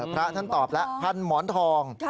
พระท่านตอบแล้วพันหมอนทอง